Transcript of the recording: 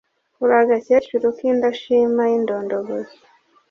uri agakecuru k’indashima y’indondogozi